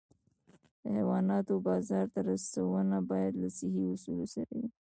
د حیواناتو بازار ته رسونه باید له صحي اصولو سره وي.